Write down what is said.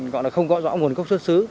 gọi là không gọi rõ nguồn cốc xuất xứ